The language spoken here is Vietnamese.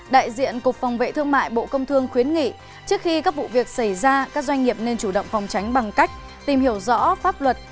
đại diện cục phòng vệ thương mại bộ công thương khuyến nghị trước khi các vụ việc xảy ra các doanh nghiệp nên chủ động phòng tránh bằng cách tìm hiểu rõ pháp luật